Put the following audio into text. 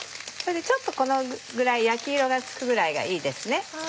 ちょっとこのぐらい焼き色がつくぐらいがいいです。